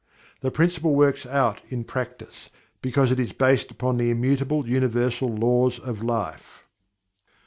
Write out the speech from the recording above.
The principle "works out" in practice, because it is based upon the immutable universal laws of life.